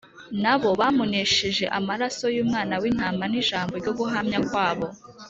Na bo bamuneshesheje amaraso y’Umwana w’Intama n’ijambo ryo guhamya kwabo,